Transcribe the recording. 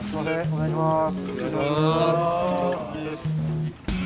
お願いします。